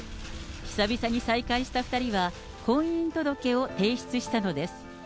久々に再会した２人は婚姻届を提出したのです。